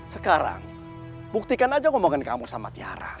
sekarang buktikan saja ngomongkan kamu sama tiara